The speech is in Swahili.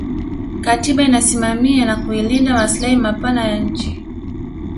katiba inasimamia na kulinda maslahi mapana ya nchi